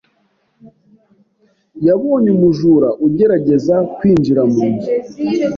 Yabonye umujura ugerageza kwinjira mu nzu.